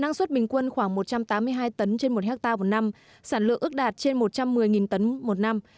năng suất bình quân khoảng một trăm tám mươi hai tấn trên một hectare một năm sản lượng ước đạt trên một trăm một mươi tấn một năm